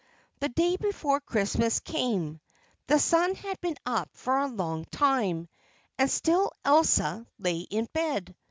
The day before Christmas came, the sun had been up for a long time, and still Elsa lay in bed.